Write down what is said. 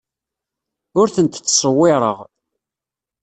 Ur tent-ttṣewwireɣ.